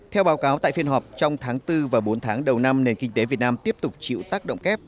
theo báo cáo tại phiên họp trong tháng bốn và bốn tháng đầu năm nền kinh tế việt nam tiếp tục chịu tác động kép